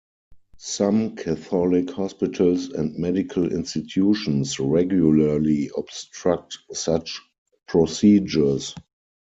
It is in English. Some Catholic hospitals and medical institutions regularly obstruct such procedures.